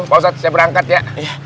pak usat saya berangkat ya